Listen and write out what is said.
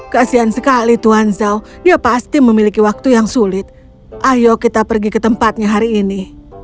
kasian sekali tuan zhao dia pasti memiliki waktu yang sulit ayo kita pergi ke tempatnya hari ini